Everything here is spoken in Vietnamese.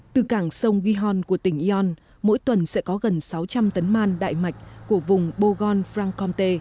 từ cảng sông gihon của tỉnh yon mỗi tuần sẽ có gần sáu trăm linh tấn man đại mạch của vùng bogon francomte